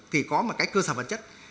thì có một cái cơ sở vật chất